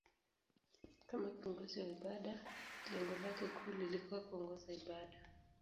Kama kiongozi wa ibada, lengo lake kuu lilikuwa kuongoza ibada.